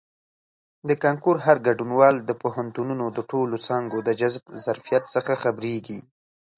د کانکور هر ګډونوال د پوهنتونونو د ټولو څانګو د جذب ظرفیت څخه خبریږي.